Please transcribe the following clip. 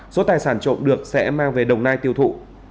số tài sản trộm được sẽ mang về đồng nai tiêu thụ